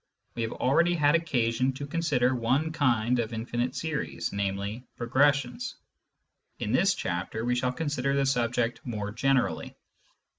We have already had occasion to consider one kind of infinite series, namely, progressions. In this chapter we shall consider the subject more generally.